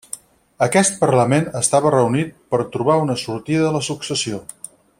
Aquest parlament estava reunit per trobar una sortida a la successió.